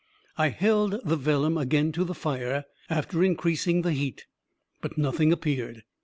"I held the vellum again to the fire, after increasing the heat, but nothing appeared.